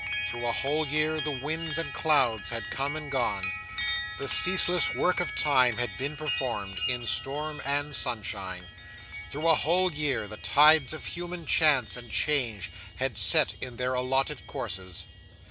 Through a whole year, the winds and clouds had come and gone; the ceaseless work of Time had been performed, in storm and sunshine. Through a whole year, the tides of human chance and change had set in their allotted courses.